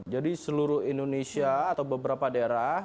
jadi seluruh indonesia atau beberapa daerah